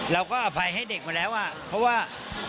เราก็อภัยให้เด็กมาแล้วอะเพราะว่า